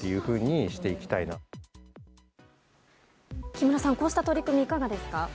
木村さん、こうした取り組みいかがですか。